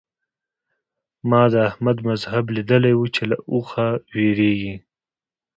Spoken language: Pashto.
ما د احمد مذهب ليدلی وو چې له اوخه وېرېږي.